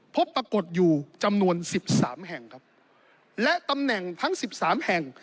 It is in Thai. พบปรากฏอยู่จำนวนสิบสามแห่งครับและตำแหน่งทั้งสิบสามแห่ง